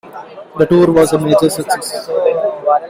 The tour was a major success.